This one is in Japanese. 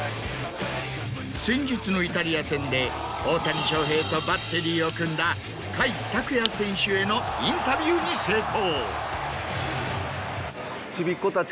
先日のイタリア戦で大谷翔平とバッテリーを組んだ甲斐拓也選手へのインタビューに成功。